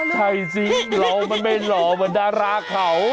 ใช่สิเหลอะมันรอเหมือนดาราเขา